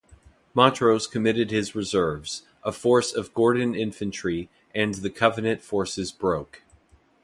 Montrose committed his reserves, a force of Gordon infantry, and the Covenant forces broke.